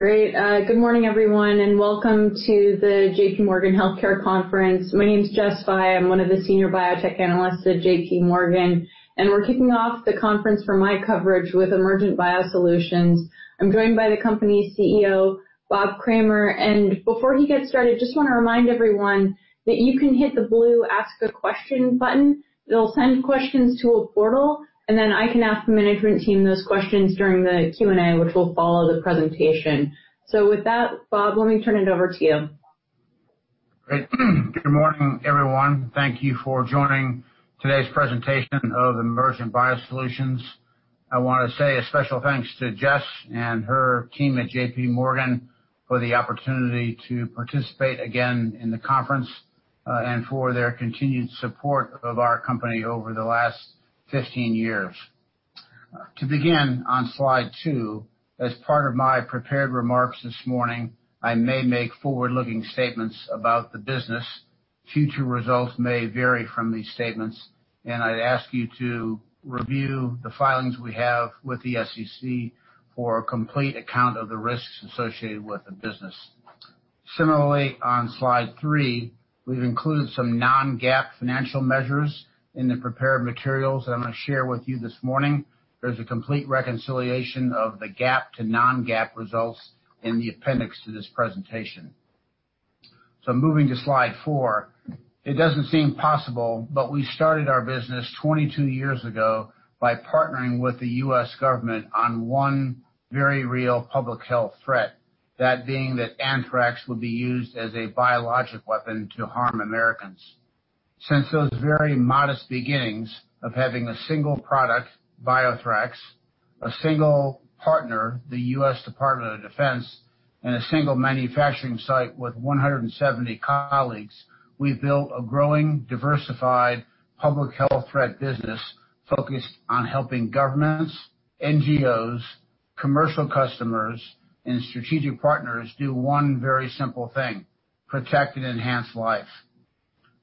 Great. Good morning, everyone. Welcome to the JPMorgan Healthcare Conference. My name's Jess Fye. I'm one of the Senior Biotech Analysts at JPMorgan, and we're kicking off the conference for my coverage with Emergent BioSolutions. I'm joined by the company's Chief Executive Officer, Bob Kramer. Before he gets started, just want to remind everyone that you can hit the blue Ask a Question button. It'll send questions to a portal, and then I can ask the management team those questions during the Q&A, which will follow the presentation. With that, Bob, let me turn it over to you. Great. Good morning, everyone. Thank you for joining today's presentation of Emergent BioSolutions. I want to say a special thanks to Jess and her team at JPMorgan for the opportunity to participate again in the conference, and for their continued support of our company over the last 15 years. To begin on slide two, as part of my prepared remarks this morning, I may make forward-looking statements about the business. Future results may vary from these statements, and I'd ask you to review the filings we have with the SEC for a complete account of the risks associated with the business. Similarly, on slide three, we've included some non-GAAP financial measures in the prepared materials that I'm going to share with you this morning. There's a complete reconciliation of the GAAP to non-GAAP results in the appendix to this presentation. Moving to slide four. It doesn't seem possible, but we started our business 22 years ago by partnering with the U.S. government on one very real public health threat, that being that anthrax would be used as a biologic weapon to harm Americans. Since those very modest beginnings of having a single product, BioThrax, a single partner, the U.S. Department of Defense, and a single manufacturing site with 170 colleagues, we've built a growing, diversified public health threat business focused on helping governments, NGOs, commercial customers, and strategic partners do one very simple thing: protect and enhance life.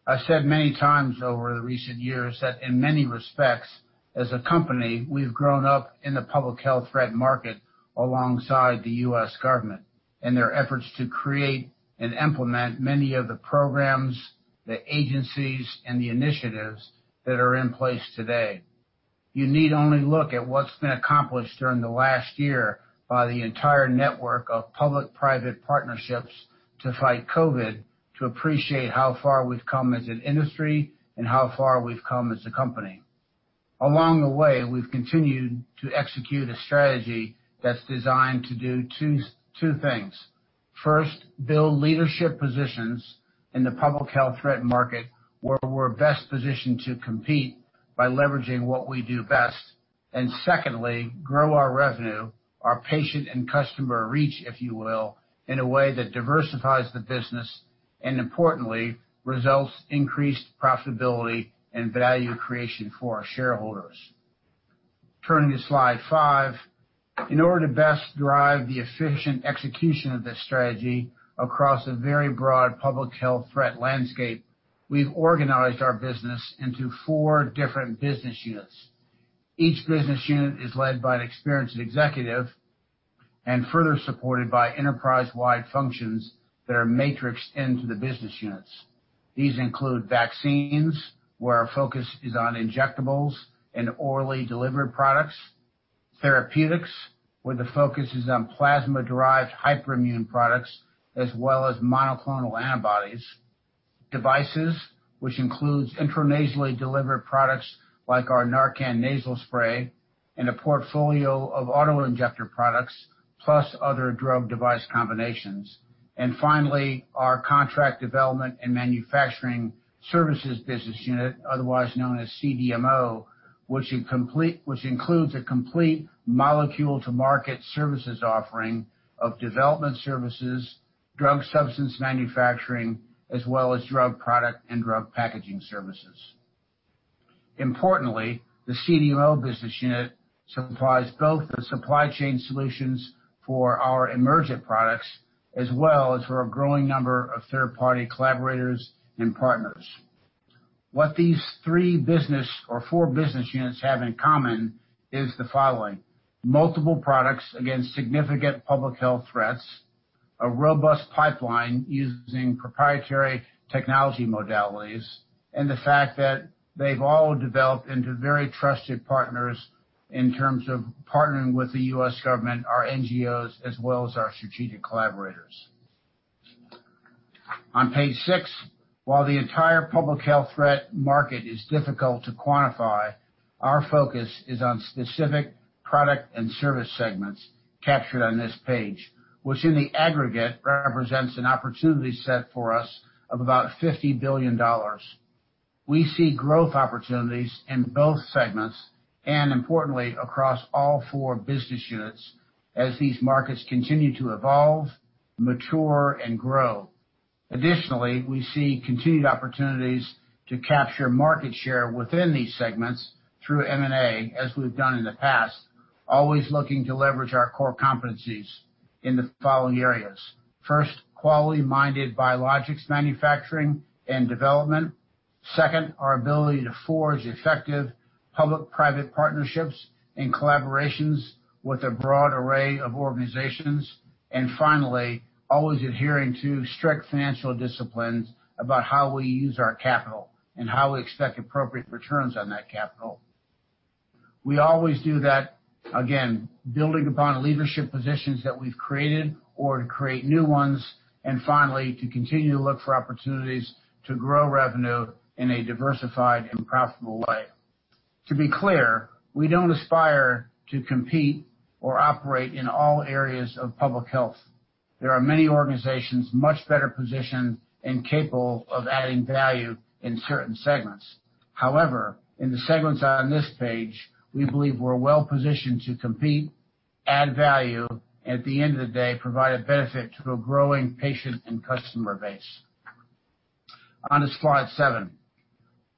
I've said many times over the recent years that in many respects, as a company, we've grown up in the public health threat market alongside the U.S. government and their efforts to create and implement many of the programs, the agencies, and the initiatives that are in place today. You need only look at what's been accomplished during the last year by the entire network of public-private partnerships to fight COVID to appreciate how far we've come as an industry, and how far we've come as a company. Along the way, we've continued to execute a strategy that's designed to do two things. First, build leadership positions in the public health threat market, where we're best positioned to compete by leveraging what we do best. Secondly, grow our revenue, our patient and customer reach, if you will, in a way that diversifies the business, and importantly, results increased profitability and value creation for our shareholders. Turning to slide five. In order to best drive the efficient execution of this strategy across a very broad public health threat landscape, we've organized our business into four different business units. Each business unit is led by an experienced executive and further supported by enterprise-wide functions that are matrixed into the business units. These include vaccines, where our focus is on injectables and orally delivered products. Therapeutics, where the focus is on plasma-derived hyperimmune products as well as monoclonal antibodies. Devices, which includes intranasally delivered products like our NARCAN Nasal Spray and a portfolio of auto-injector products, plus other drug device combinations. Finally, our contract development and manufacturing services business unit, otherwise known as CDMO, which includes a complete molecule to market services offering of development services, drug substance manufacturing, as well as drug product and drug packaging services. Importantly, the CDMO business unit supplies both the supply chain solutions for our Emergent products as well as for a growing number of third-party collaborators and partners. What these four business units have in common is the following. Multiple products against significant public health threats, a robust pipeline using proprietary technology modalities, and the fact that they've all developed into very trusted partners in terms of partnering with the U.S. government, our NGOs, as well as our strategic collaborators. On page six, while the entire public health threat market is difficult to quantify, our focus is on specific product and service segments captured on this page, which in the aggregate represents an opportunity set for us of about $50 billion. We see growth opportunities in both segments and importantly, across all four business units as these markets continue to evolve, mature, and grow. Additionally, we see continued opportunities to capture market share within these segments through M&A as we've done in the past, always looking to leverage our core competencies in the following areas. First, quality-minded biologics manufacturing and development. Second, our ability to forge effective public-private partnerships and collaborations with a broad array of organizations. Finally, always adhering to strict financial disciplines about how we use our capital and how we expect appropriate returns on that capital. We always do that, again, building upon leadership positions that we've created or to create new ones, and finally, to continue to look for opportunities to grow revenue in a diversified and profitable way. To be clear, we don't aspire to compete or operate in all areas of public health. There are many organizations much better positioned and capable of adding value in certain segments. However, in the segments on this page, we believe we're well-positioned to compete, add value, and at the end of the day, provide a benefit to a growing patient and customer base. On to slide seven.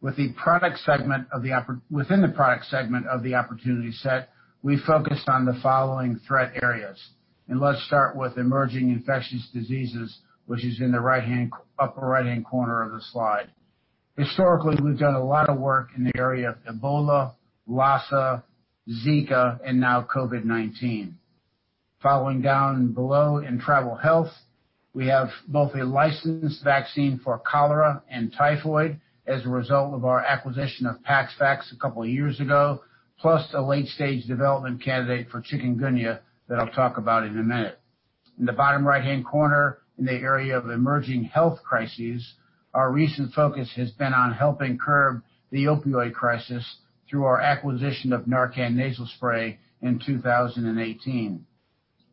Within the product segment of the opportunity set, we focused on the following threat areas. Let's start with emerging infectious diseases, which is in the upper right-hand corner of the slide. Historically, we've done a lot of work in the area of Ebola, Lassa, Zika, and now COVID-19. Following down below in travel health, we have both a licensed vaccine for cholera and typhoid as a result of our acquisition of PaxVax a couple of years ago, plus a late-stage development candidate for chikungunya that I'll talk about in a minute. In the bottom right-hand corner, in the area of emerging health crises, our recent focus has been on helping curb the opioid crisis through our acquisition of NARCAN Nasal Spray in 2018.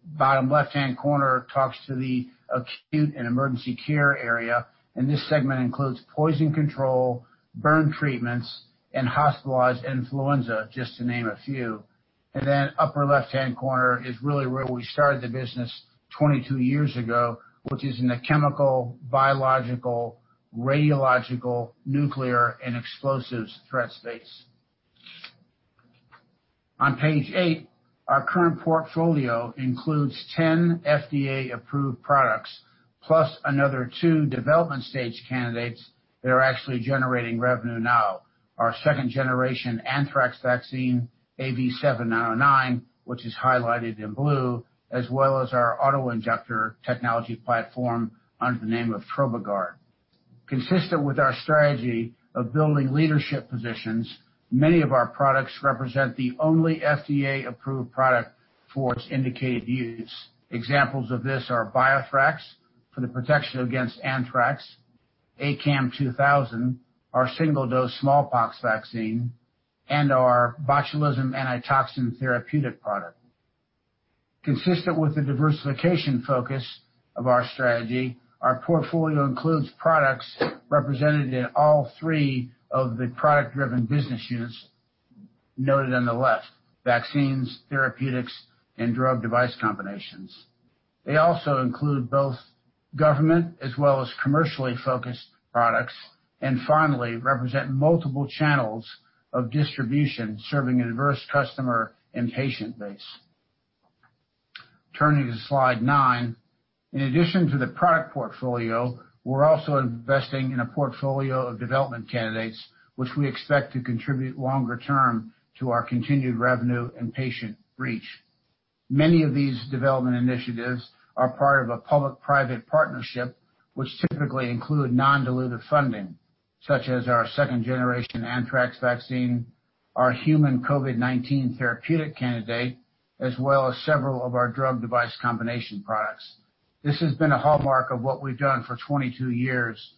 Bottom left-hand corner talks to the acute and emergency care area, and this segment includes poison control, burn treatments, and hospitalized influenza, just to name a few. Upper left-hand corner is really where we started the business 22 years ago, which is in the chemical, biological, radiological, nuclear, and explosives threat space. On page eight, our current portfolio includes 10 FDA-approved products, plus another two development stage candidates that are actually generating revenue now, our second-generation anthrax vaccine, AV7909, which is highlighted in blue, as well as our auto-injector technology platform under the name of Trobigard. Consistent with our strategy of building leadership positions, many of our products represent the only FDA-approved product for its indicated use. Examples of this are BioThrax for the protection against anthrax, ACAM2000, our single-dose smallpox vaccine, and our botulism antitoxin therapeutic product. Consistent with the diversification focus of our strategy, our portfolio includes products represented in all three of the product-driven business units noted on the left, vaccines, therapeutics, and drug device combinations. They also include both government as well as commercially focused products, and finally, represent multiple channels of distribution, serving a diverse customer and patient base. Turning to slide nine. In addition to the product portfolio, we're also investing in a portfolio of development candidates, which we expect to contribute longer term to our continued revenue and patient reach. Many of these development initiatives are part of a public-private partnership, which typically include non-dilutive funding, such as our second-generation anthrax vaccine, our human COVID-19 therapeutic candidate, as well as several of our drug device combination products. This has been a hallmark of what we've done for 22 years.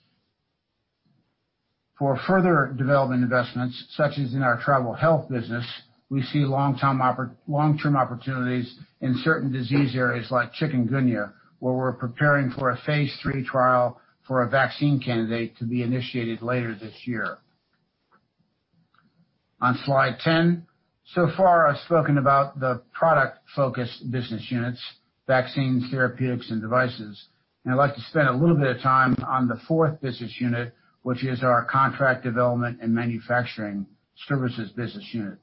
For further development investments, such as in our travel health business, we see long-term opportunities in certain disease areas like chikungunya, where we're preparing for a phase III trial for a vaccine candidate to be initiated later this year. On slide 10. So far, I've spoken about the product-focused business units, vaccines, therapeutics, and devices. I'd like to spend a little bit of time on the fourth business unit, which is our contract development and manufacturing services business unit.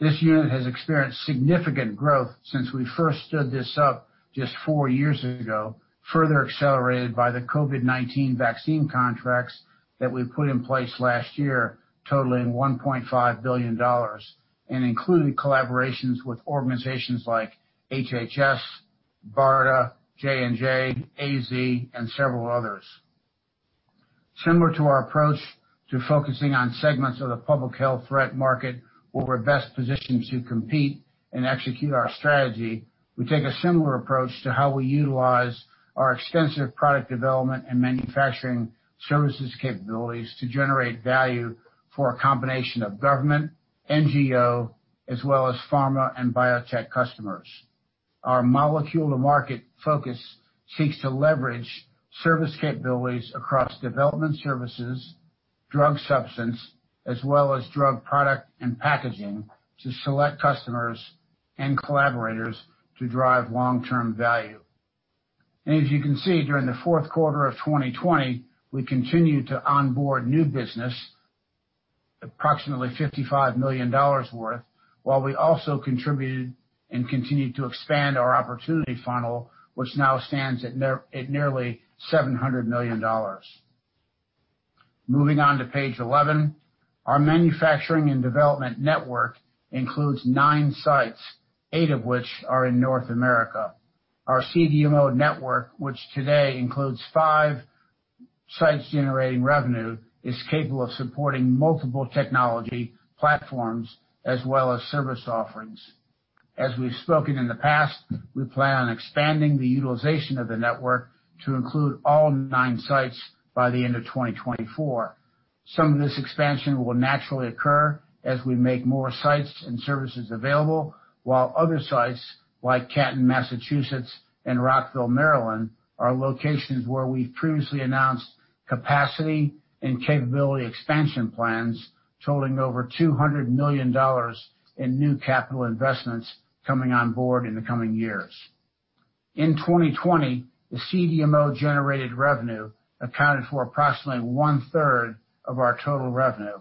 This unit has experienced significant growth since we first stood this up just four years ago, further accelerated by the COVID-19 vaccine contracts that we put in place last year, totaling $1.5 billion and including collaborations with organizations like HHS, BARDA, J&J, AZ, and several others. Similar to our approach to focusing on segments of the public health threat market where we're best positioned to compete and execute our strategy, we take a similar approach to how we utilize our extensive product development and manufacturing services capabilities to generate value for a combination of government, NGO, as well as pharma and biotech customers. Our molecule to market focus seeks to leverage service capabilities across development services, drug substance, as well as drug product and packaging to select customers and collaborators to drive long-term value. As you can see, during the fourth quarter of 2020, we continued to onboard new business, approximately $55 million worth, while we also contributed and continued to expand our opportunity funnel, which now stands at nearly $700 million. Moving on to page 11. Our manufacturing and development network includes nine sites, eight of which are in North America. Our CDMO network, which today includes five sites generating revenue, is capable of supporting multiple technology platforms as well as service offerings. As we've spoken in the past, we plan on expanding the utilization of the network to include all nine sites by the end of 2024. Some of this expansion will naturally occur as we make more sites and services available, while other sites like Canton, Massachusetts, and Rockville, Maryland, are locations where we've previously announced capacity and capability expansion plans totaling over $200 million in new capital investments coming on board in the coming years. In 2020, the CDMO-generated revenue accounted for approximately 1/3 of our total revenue.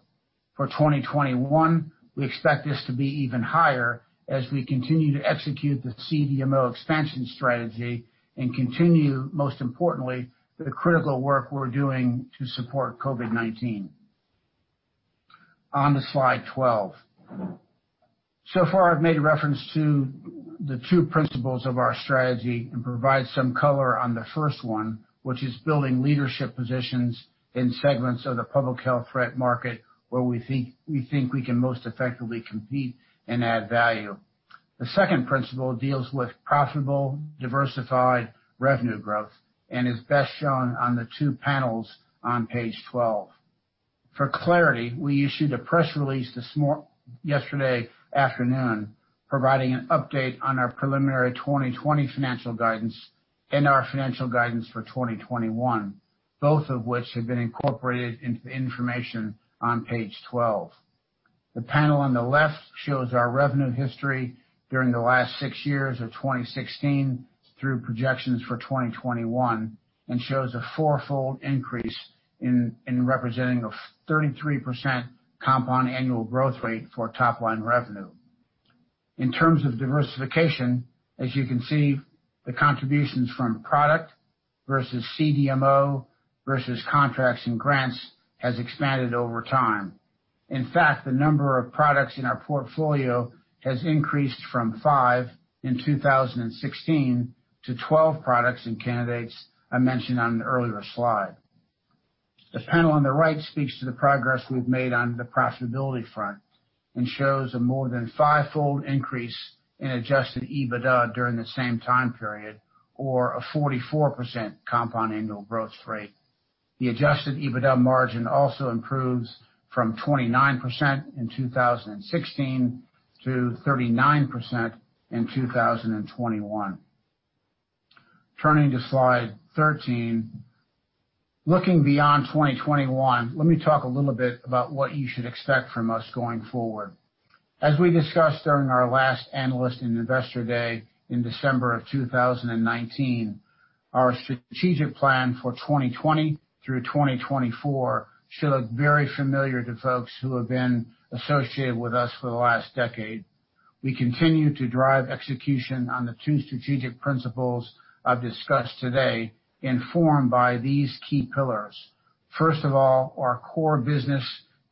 For 2021, we expect this to be even higher as we continue to execute the CDMO expansion strategy and continue, most importantly, the critical work we're doing to support COVID-19. On to slide 12. So far, I've made a reference to the two principles of our strategy and provide some color on the first one, which is building leadership positions in segments of the public health threat market where we think we can most effectively compete and add value. The second principle deals with profitable, diversified revenue growth and is best shown on the two panels on page 12. For clarity, we issued a press release yesterday afternoon providing an update on our preliminary 2020 financial guidance and our financial guidance for 2021, both of which have been incorporated into the information on page 12. The panel on the left shows our revenue history during the last six years of 2016 through projections for 2021 and shows a four-fold increase in representing a 33% compound annual growth rate for top-line revenue. In terms of diversification, as you can see, the contributions from product versus CDMO versus contracts and grants has expanded over time. In fact, the number of products in our portfolio has increased from five in 2016 to 12 products and candidates I mentioned on an earlier slide. The panel on the right speaks to the progress we've made on the profitability front and shows a more than five-fold increase in adjusted EBITDA during the same time period or a 44% compound annual growth rate. The adjusted EBITDA margin also improves from 29% in 2016 to 39% in 2021. Turning to slide 13. Looking beyond 2021, let me talk a little bit about what you should expect from us going forward. As we discussed during our last Analyst & Investor Day in December of 2019, our strategic plan for 2020 through 2024 should look very familiar to folks who have been associated with us for the last decade. We continue to drive execution on the two strategic principles I've discussed today, informed by these key pillars. First of all, our core business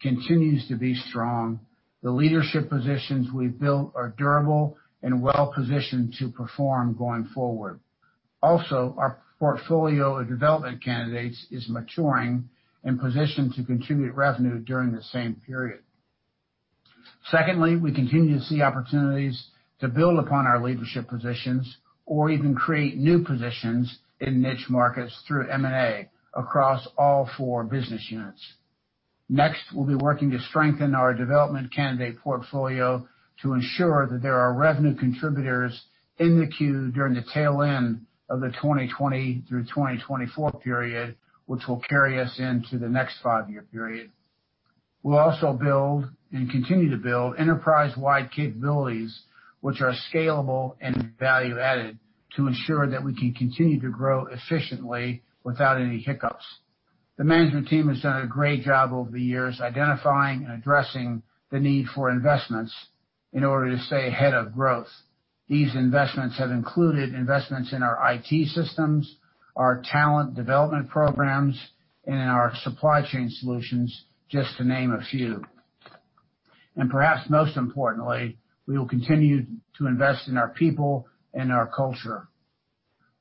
continues to be strong. The leadership positions we've built are durable and well-positioned to perform going forward. Our portfolio of development candidates is maturing and positioned to contribute revenue during the same period. Secondly, we continue to see opportunities to build upon our leadership positions or even create new positions in niche markets through M&A across all four business units. Next, we'll be working to strengthen our development candidate portfolio to ensure that there are revenue contributors in the queue during the tail end of the 2020 through 2024 period, which will carry us into the next five-year period. We'll also build and continue to build enterprise-wide capabilities, which are scalable and value-added to ensure that we can continue to grow efficiently without any hiccups. The management team has done a great job over the years identifying and addressing the need for investments in order to stay ahead of growth. These investments have included investments in our IT systems, our talent development programs, and in our supply chain solutions, just to name a few. Perhaps most importantly, we will continue to invest in our people and our culture.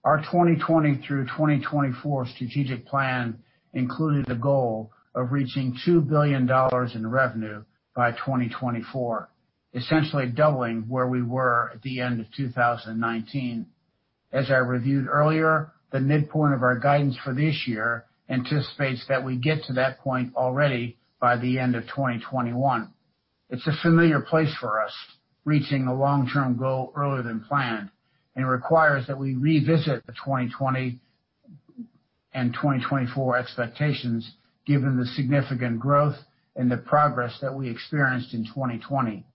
Our 2020 through 2024 strategic plan included the goal of reaching $2 billion in revenue by 2024, essentially doubling where we were at the end of 2019. As I reviewed earlier, the midpoint of our guidance for this year anticipates that we get to that point already by the end of 2021. It's a familiar place for us, reaching a long-term goal earlier than planned, and requires that we revisit the 2020 and 2024 expectations given the significant growth and the progress that we experienced in 2020.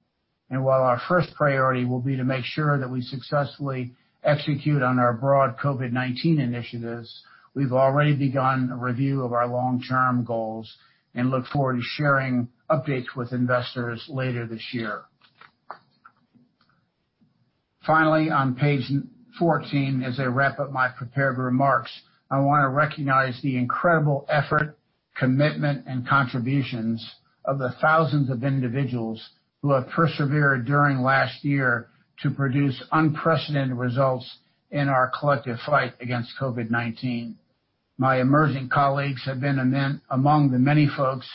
While our first priority will be to make sure that we successfully execute on our broad COVID-19 initiatives, we've already begun a review of our long-term goals and look forward to sharing updates with investors later this year. Finally, on page 14, as I wrap up my prepared remarks, I want to recognize the incredible effort, commitment, and contributions of the thousands of individuals who have persevered during last year to produce unprecedented results in our collective fight against COVID-19. My Emergent colleagues have been among the many folks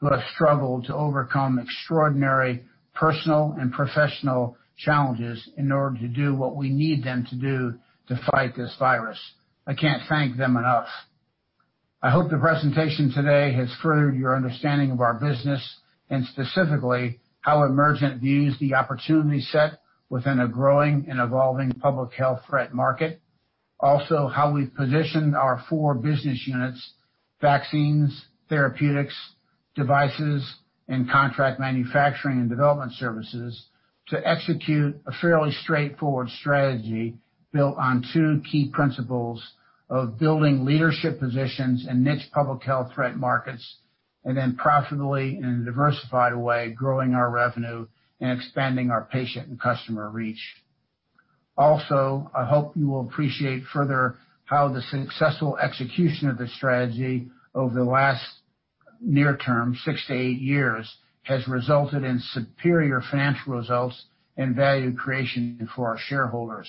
who have struggled to overcome extraordinary personal and professional challenges in order to do what we need them to do to fight this virus. I can't thank them enough. I hope the presentation today has furthered your understanding of our business and specifically how Emergent views the opportunity set within a growing and evolving public health threat market. How we've positioned our four business units, vaccines, therapeutics, devices, and contract manufacturing and development services to execute a fairly straightforward strategy built on two key principles of building leadership positions in niche public health threat markets, and then profitably in a diversified way, growing our revenue and expanding our patient and customer reach. I hope you will appreciate further how the successful execution of the strategy over the last near term six to eight years has resulted in superior financial results and value creation for our shareholders.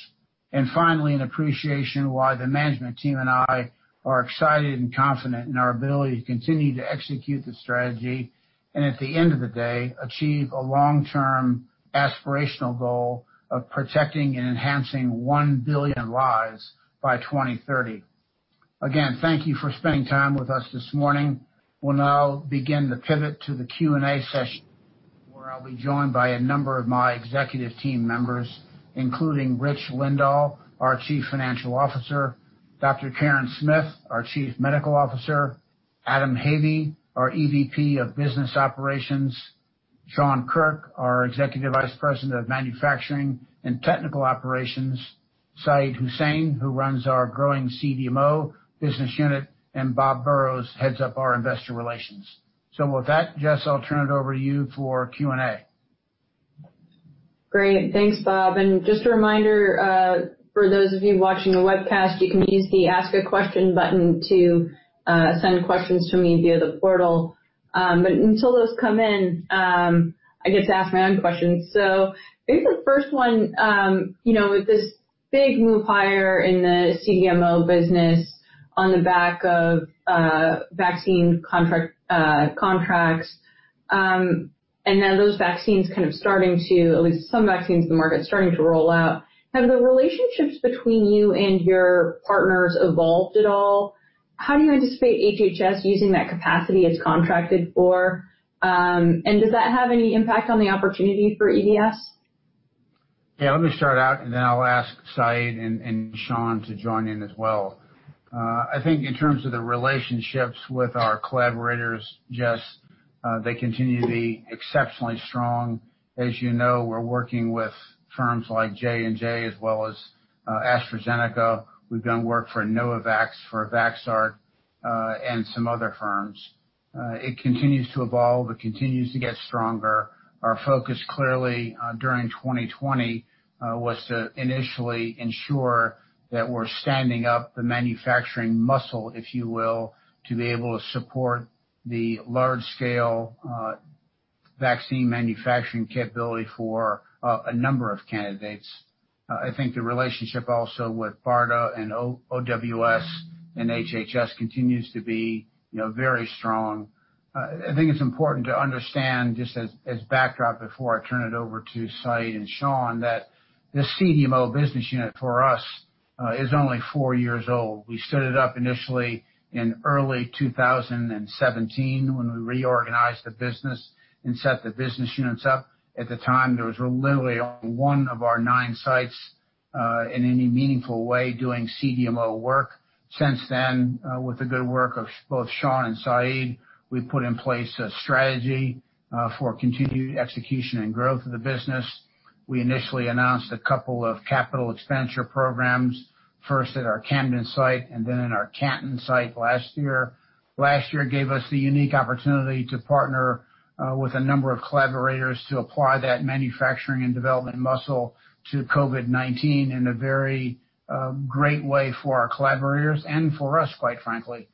Finally, an appreciation why the management team and I are excited and confident in our ability to continue to execute the strategy and at the end of the day, achieve a long-term aspirational goal of protecting and enhancing 1 billion lives by 2030. Thank you for spending time with us this morning. We'll now begin the pivot to the Q&A session, where I'll be joined by a number of my executive team members, including Rich Lindahl, our Chief Financial Officer, Dr. Karen Smith, our Chief Medical Officer, Adam Havey, our EVP of Business Operations, Sean Kirk, our Executive Vice President of Manufacturing and Technical Operations, Syed Husain, who runs our growing CDMO Business Unit, and Bob Burrows heads up our investor relations. With that, Jess, I'll turn it over to you for Q&A. Great. Thanks, Bob. Just a reminder, for those of you watching the webcast, you can use the Ask a Question button to send questions to me via the portal. Until those come in, I get to ask my own questions. Maybe the first one, with this big move higher in the CDMO business on the back of vaccine contracts. Now those vaccines kind of starting to, at least some vaccines in the market, starting to roll out. Have the relationships between you and your partners evolved at all? How do you anticipate HHS using that capacity it's contracted for? Does that have any impact on the opportunity for EBS? Yeah, let me start out and then I'll ask Syed and Sean to join in as well. I think in terms of the relationships with our collaborators, Jess, they continue to be exceptionally strong. As you know, we're working with firms like J&J as well as AstraZeneca. We've done work for Novavax, for Vaxart, and some other firms. It continues to evolve. It continues to get stronger. Our focus clearly during 2020 was to initially ensure that we're standing up the manufacturing muscle, if you will, to be able to support the large-scale vaccine manufacturing capability for a number of candidates. I think the relationship also with BARDA and OWS and HHS continues to be very strong. I think it's important to understand just as backdrop before I turn it over to Syed and Sean, that the CDMO business unit for us is only four years old. We stood it up initially in early 2017 when we reorganized the business and set the business units up. At the time, there was literally only one of our nine sites, in any meaningful way doing CDMO work. Since then, with the good work of both Sean and Syed, we've put in place a strategy for continued execution and growth of the business. We initially announced a couple of capital expenditure programs, first at our Camden site and then in our Canton site last year. Last year gave us the unique opportunity to partner with a number of collaborators to apply that manufacturing and development muscle to COVID-19 in a very great way for our collaborators and for us, quite frankly.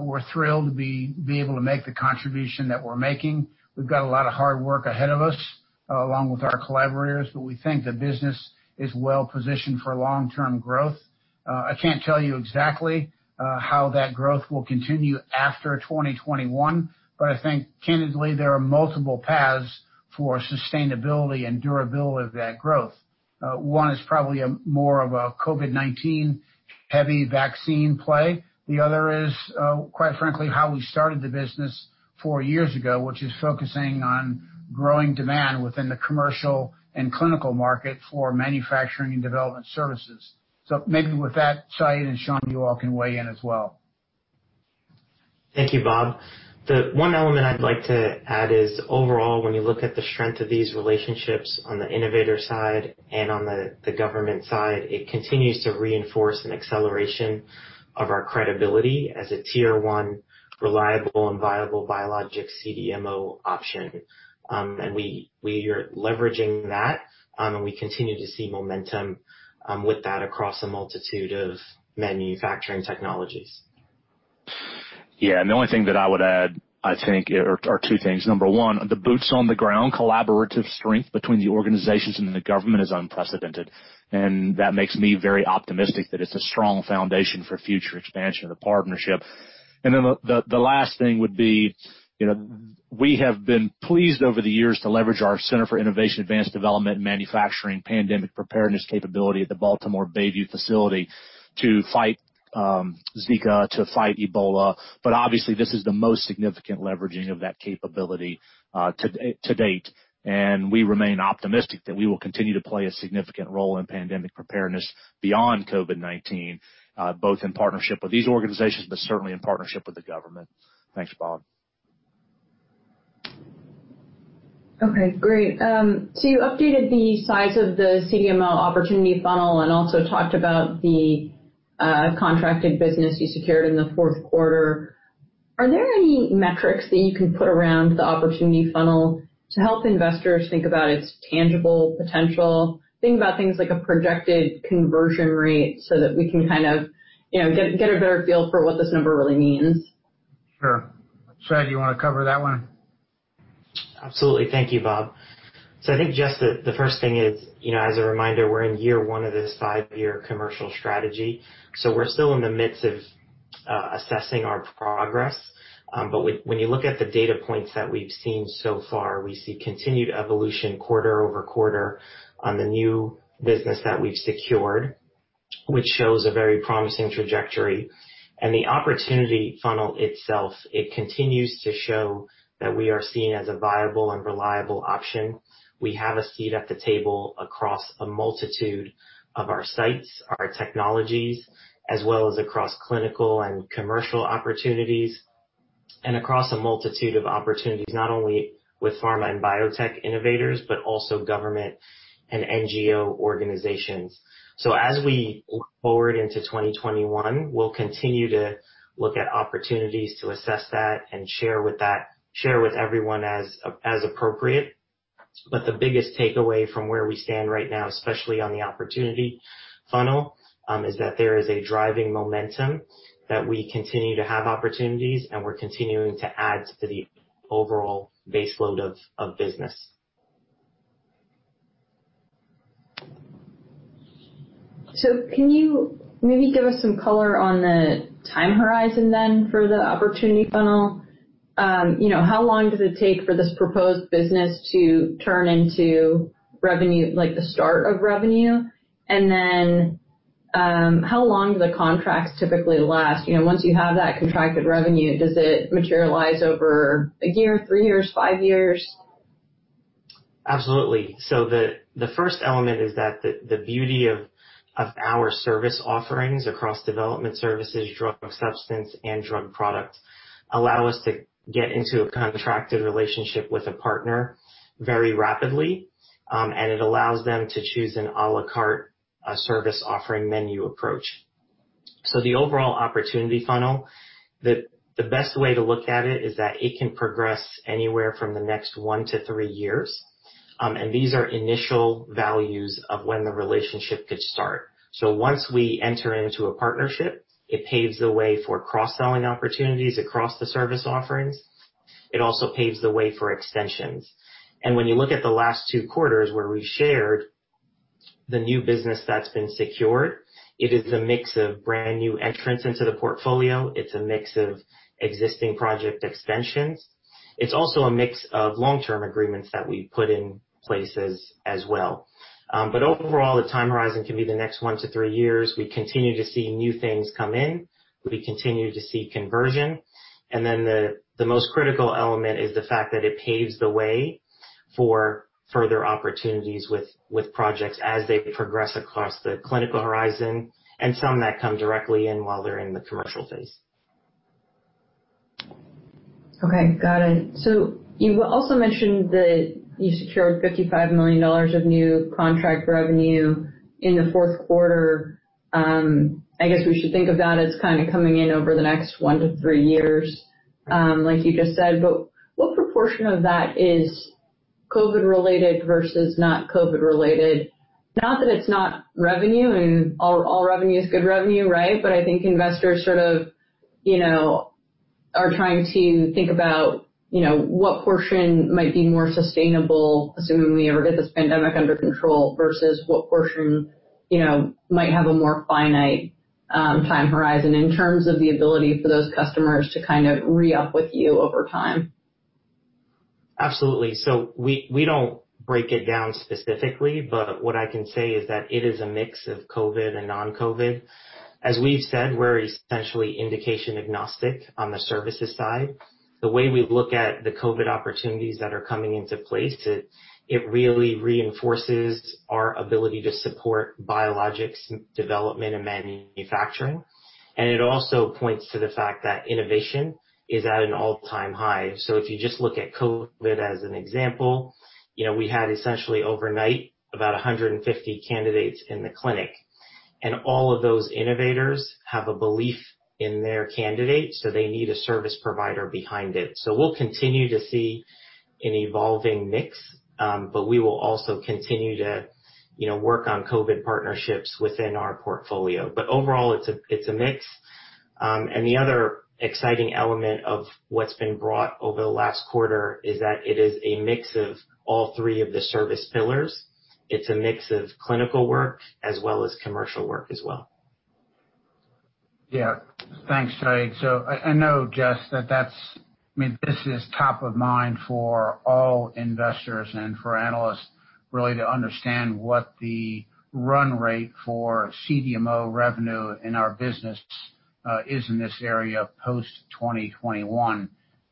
We're thrilled to be able to make the contribution that we're making. We've got a lot of hard work ahead of us, along with our collaborators, but we think the business is well-positioned for long-term growth. I can't tell you exactly how that growth will continue after 2021, but I think candidly, there are multiple paths for sustainability and durability of that growth. One is probably more of a COVID-19 heavy vaccine play. The other is, quite frankly, how we started the business four years ago, which is focusing on growing demand within the commercial and clinical market for manufacturing and development services. Maybe with that, Syed and Sean, you all can weigh in as well. Thank you, Bob. The one element I'd like to add is overall, when you look at the strength of these relationships on the innovator side and on the government side, it continues to reinforce an acceleration of our credibility as a tier-1 reliable and viable biologic CDMO option. We are leveraging that, and we continue to see momentum with that across a multitude of manufacturing technologies. Yeah. The only thing that I would add, I think, or two things. Number one, the boots on the ground collaborative strength between the organizations and the government is unprecedented, and that makes me very optimistic that it's a strong foundation for future expansion of the partnership. The last thing would be, we have been pleased over the years to leverage our Center for Innovation Advanced Development and Manufacturing pandemic preparedness capability at the Baltimore Bayview facility to fight Zika, to fight Ebola. Obviously, this is the most significant leveraging of that capability to date, and we remain optimistic that we will continue to play a significant role in pandemic preparedness beyond COVID-19, both in partnership with these organizations, but certainly in partnership with the government. Thanks, Bob. Okay, great. You updated the size of the CDMO opportunity funnel and also talked about the contracted business you secured in the fourth quarter. Are there any metrics that you can put around the opportunity funnel to help investors think about its tangible potential, think about things like a projected conversion rate so that we can get a better feel for what this number really means? Sure. Syed, do you want to cover that one? Absolutely. Thank you, Bob. I think just the first thing is, as a reminder, we're in year one of this five-year commercial strategy, we're still in the midst of assessing our progress. When you look at the data points that we've seen so far, we see continued evolution quarter-over-quarter on the new business that we've secured, which shows a very promising trajectory. The opportunity funnel itself, it continues to show that we are seen as a viable and reliable option. We have a seat at the table across a multitude of our sites, our technologies, as well as across clinical and commercial opportunities, and across a multitude of opportunities, not only with pharma and biotech innovators, but also government and NGO organizations. As we look forward into 2021, we'll continue to look at opportunities to assess that and share with everyone as appropriate. The biggest takeaway from where we stand right now, especially on the opportunity funnel, is that there is a driving momentum, that we continue to have opportunities, and we're continuing to add to the overall base load of business. Can you maybe give us some color on the time horizon then for the opportunity funnel? How long does it take for this proposed business to turn into the start of revenue? How long do the contracts typically last? Once you have that contracted revenue, does it materialize over a year, three years, five years? Absolutely. The first element is that the beauty of our service offerings across development services, drug substance, and drug product allow us to get into a contracted relationship with a partner very rapidly, and it allows them to choose an à la carte service offering menu approach. The overall opportunity funnel, the best way to look at it is that it can progress anywhere from the next one to three years, and these are initial values of when the relationship could start. Once we enter into a partnership, it paves the way for cross-selling opportunities across the service offerings. It also paves the way for extensions. When you look at the last two quarters where we shared the new business that's been secured, it is a mix of brand new entrants into the portfolio. It's a mix of existing project extensions. It's also a mix of long-term agreements that we've put in places as well. Overall, the time horizon can be the next one to three years. We continue to see new things come in. We continue to see conversion. The most critical element is the fact that it paves the way for further opportunities with projects as they progress across the clinical horizon, and some that come directly in while they're in the commercial phase. Okay, got it. You also mentioned that you secured $55 million of new contract revenue in the fourth quarter. I guess we should think of that as coming in over the next one to three years, like you just said. What proportion of that is COVID-19 related versus not COVID-19 related? Not that it's not revenue, and all revenue is good revenue, right? I think investors are trying to think about what portion might be more sustainable, assuming we ever get this pandemic under control, versus what portion might have a more finite time horizon in terms of the ability for those customers to re-up with you over time. Absolutely. We don't break it down specifically, but what I can say is that it is a mix of COVID and non-COVID. As we've said, we're essentially indication agnostic on the services side. The way we look at the COVID opportunities that are coming into place, it really reinforces our ability to support biologics development and manufacturing. It also points to the fact that innovation is at an all-time high. If you just look at COVID as an example, we had essentially overnight about 150 candidates in the clinic, and all of those innovators have a belief in their candidate, so they need a service provider behind it. We'll continue to see an evolving mix, but we will also continue to work on COVID partnerships within our portfolio. Overall, it's a mix. The other exciting element of what's been brought over the last quarter is that it is a mix of all three of the service pillars. It's a mix of clinical work as well as commercial work as well. Yeah. Thanks, Syed. I know, Jess, that this is top of mind for all investors and for analysts really to understand what the run rate for CDMO revenue in our business is in this area post 2021.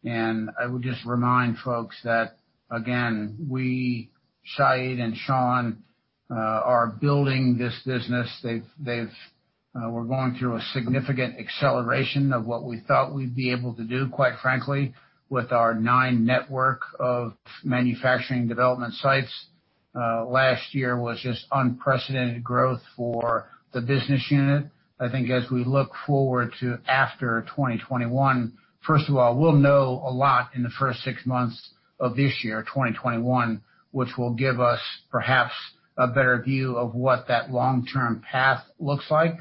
I would just remind folks that, again, we, Syed and Sean, are building this business. We're going through a significant acceleration of what we thought we'd be able to do, quite frankly, with our nine network of manufacturing development sites. Last year was just unprecedented growth for the business unit. I think as we look forward to after 2021, first of all, we'll know a lot in the first six months of this year, 2021, which will give us perhaps a better view of what that long-term path looks like.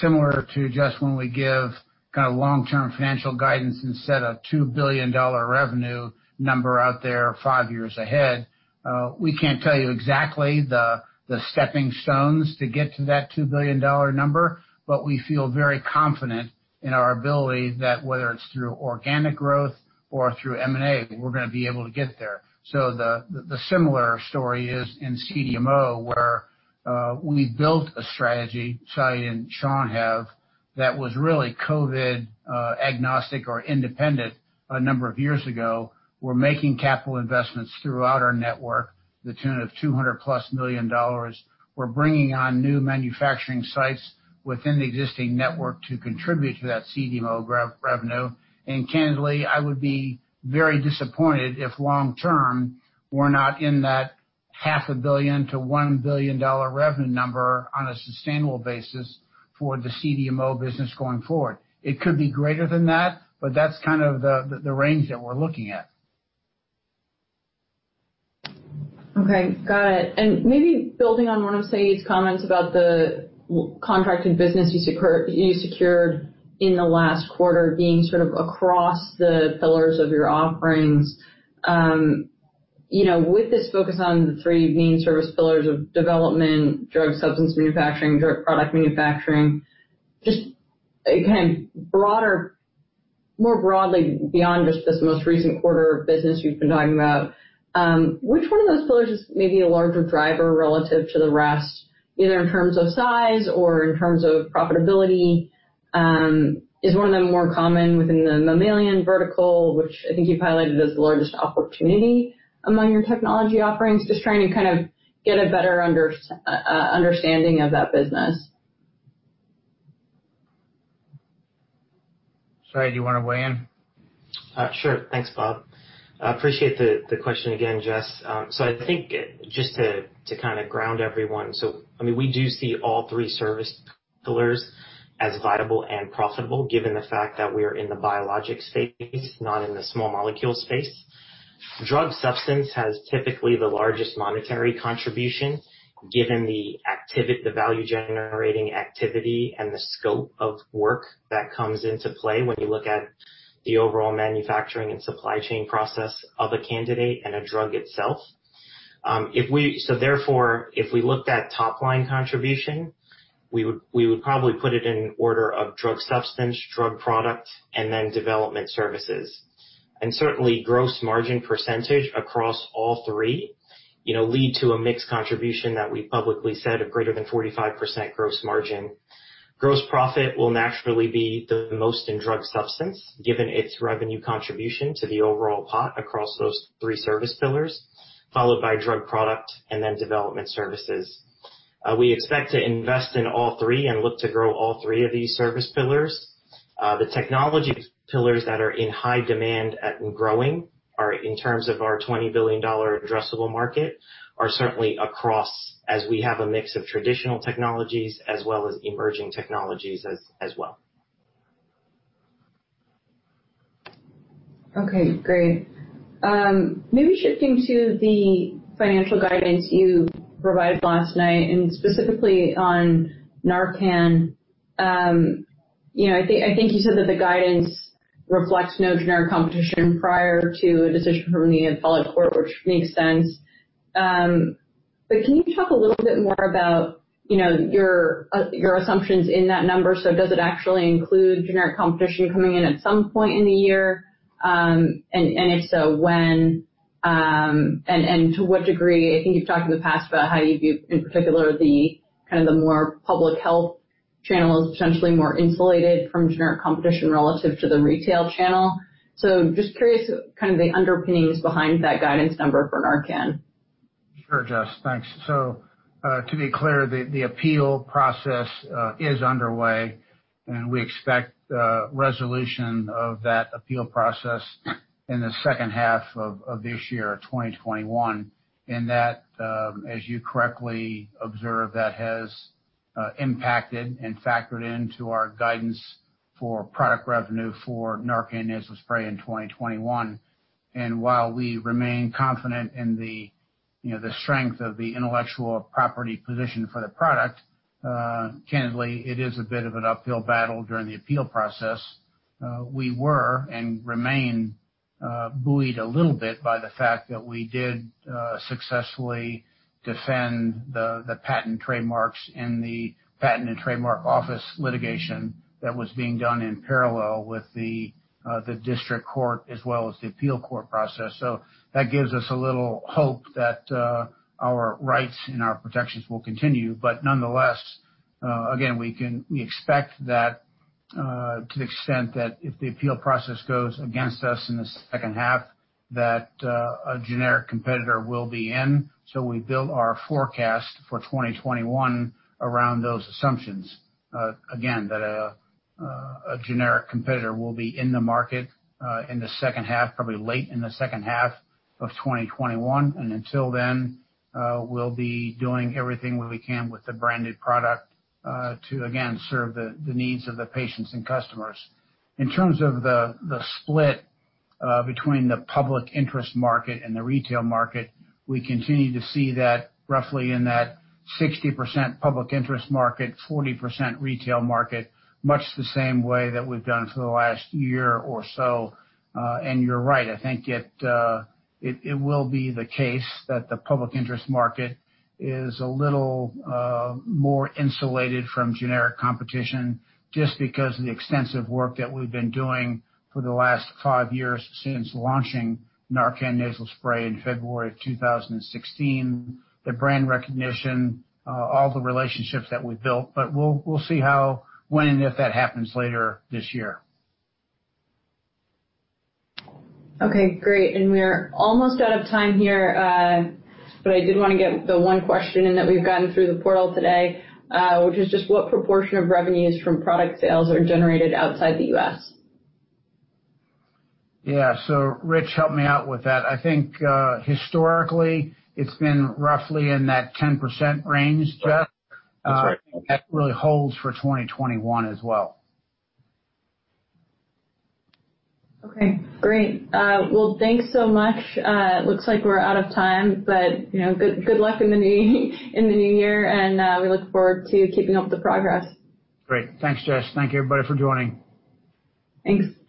Similar to just when we give long-term financial guidance instead of $2 billion revenue number out there five years ahead, we can't tell you exactly the stepping stones to get to that $2 billion number, but we feel very confident in our ability that whether it's through organic growth or through M&A, we're going to be able to get there. The similar story is in CDMO, where we built a strategy, Syed and Sean have, that was really COVID agnostic or independent a number of years ago. We're making capital investments throughout our network to the tune of $200+ million. We're bringing on new manufacturing sites within the existing network to contribute to that CDMO revenue. Candidly, I would be very disappointed if long-term, we're not in that $500 million-$1 billion revenue number on a sustainable basis for the CDMO business going forward. It could be greater than that, but that's kind of the range that we're looking at. Okay, got it. Maybe building on one of Syed's comments about the contracted business you secured in the last quarter being sort of across the pillars of your offerings. With this focus on the three main service pillars of development, drug substance manufacturing, drug product manufacturing, just, again, more broadly beyond just this most recent quarter of business you've been talking about, which one of those pillars is maybe a larger driver relative to the rest, either in terms of size or in terms of profitability? Is one of them more common within the mammalian vertical, which I think you've highlighted as the largest opportunity among your technology offerings? Just trying to kind of get a better understanding of that business. Syed, do you want to weigh in? Sure. Thanks, Bob. Appreciate the question again, Jess. I think just to ground everyone, so we do see all three service pillars as viable and profitable, given the fact that we're in the biologics space, not in the small molecule space. Drug substance has typically the largest monetary contribution, given the value-generating activity and the scope of work that comes into play when you look at the overall manufacturing and supply chain process of a candidate and a drug itself. Therefore, if we looked at top-line contribution, we would probably put it in order of drug substance, drug product, and then development services. Certainly, gross margin percentage across all three, lead to a mixed contribution that we publicly said of greater than 45% gross margin. Gross profit will naturally be the most in drug substance, given its revenue contribution to the overall pot across those three service pillars, followed by drug product and then development services. We expect to invest in all three and look to grow all three of these service pillars. The technology pillars that are in high demand and growing are in terms of our $20 billion addressable market are certainly across as we have a mix of traditional technologies as well as emerging technologies as well. Okay, great. Maybe shifting to the financial guidance you provided last night, and specifically on NARCAN. I think you said that the guidance reflects no generic competition prior to a decision from the appellate court, which makes sense. Can you talk a little bit more about your assumptions in that number? Does it actually include generic competition coming in at some point in the year? If so, when? To what degree? I think you've talked in the past about how you view, in particular, the more public health channel is potentially more insulated from generic competition relative to the retail channel. Just curious, the underpinnings behind that guidance number for NARCAN. Sure, Jess, thanks. To be clear, the appeal process is underway, and we expect resolution of that appeal process in the second half of this year, 2021. That, as you correctly observed, that has impacted and factored into our guidance for product revenue for NARCAN Nasal Spray in 2021. While we remain confident in the strength of the intellectual property position for the product, candidly, it is a bit of an uphill battle during the appeal process. We were and remain buoyed a little bit by the fact that we did successfully defend the patent trademarks in the Patent and Trademark Office litigation that was being done in parallel with the district court as well as the appeal court process. That gives us a little hope that our rights and our protections will continue. Nonetheless, again, we expect that to the extent that if the appeal process goes against us in the second half, that a generic competitor will be in. We build our forecast for 2021 around those assumptions, again, that a generic competitor will be in the market in the second half, probably late in the second half of 2021. Until then, we'll be doing everything we can with the branded product to, again, serve the needs of the patients and customers. In terms of the split between the public interest market and the retail market, we continue to see that roughly in that 60% public interest market, 40% retail market, much the same way that we've done for the last year or so. You're right, I think it will be the case that the public interest market is a little more insulated from generic competition just because of the extensive work that we've been doing for the last five years since launching NARCAN Nasal Spray in February of 2016, the brand recognition, all the relationships that we've built. We'll see how, when, and if that happens later this year. Okay, great. We're almost out of time here, but I did want to get the one question in that we've gotten through the portal today, which is just what proportion of revenues from product sales are generated outside the U.S.? Yeah. Rich helped me out with that. I think historically it's been roughly in that 10% range, Jess? That's right. That really holds for 2021 as well. Okay, great. Well, thanks so much. Looks like we're out of time, but good luck in the new year and we look forward to keeping up with the progress. Great. Thanks, Jess. Thank you, everybody, for joining. Thanks.